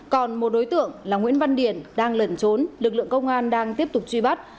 còn một đối tượng là nguyễn văn điển đang lẩn trốn lực lượng công an đang tiếp tục truy bắt